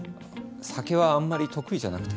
酒はあんまり得意じゃなくて。